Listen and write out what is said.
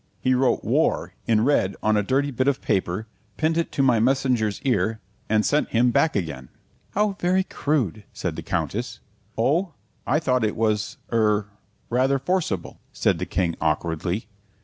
He wrote 'W A R' in red on a dirty bit of paper, pinned it to my messenger's ear, and sent him back again." "How very crude," said the Countess. "Oh, I thought it was er rather forcible," said the King awkwardly.